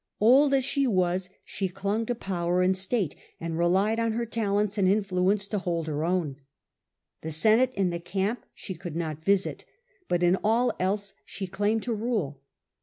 Old as she was, she clung to power and state, and relied on her talents and influence to hold her own. The Senate and the camp she could not visit, but in all else she claimed to rule.